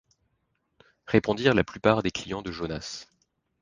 répondirent la plupart des clients de Jonas.